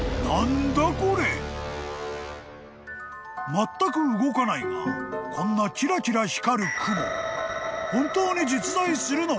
［まったく動かないがこんなキラキラ光るクモ］